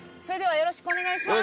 よろしくお願いします。